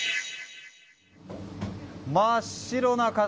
真っ白な塊。